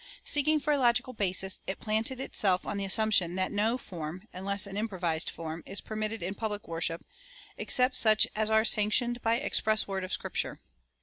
Seeking for a logical basis, it planted itself on the assumption that no form (unless an improvised form) is permitted in public worship, except such as are sanctioned by express word of Scripture.